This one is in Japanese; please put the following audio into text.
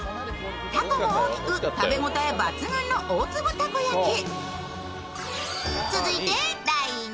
たこも大きく、食べ応え抜群の大粒たこ焼き。